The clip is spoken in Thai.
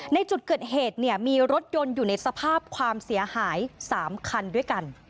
ในจุดเกิดเหตุเนี่ยมีรถยนต์อยู่ในสภาพความเสียหาย๓คันด้วยกัน